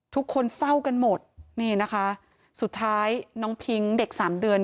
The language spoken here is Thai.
ทุกคนเศร้ากันหมดนี่นะคะสุดท้ายน้องพิ้งเด็กสามเดือน